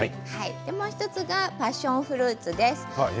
もう１つがパッションフルーツです。